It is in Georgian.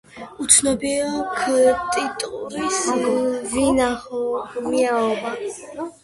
უცნობია ქტიტორის ვინაობა.